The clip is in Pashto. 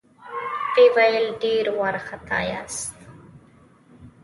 ويې ويل: ډېر وارخطا ياست؟